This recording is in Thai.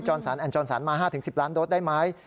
จอนสันแอนด์จอนสันมา๕๑๐ล้านโดสได้ไหม